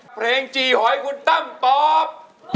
เพลงจีหอยคุณตั้มตอบ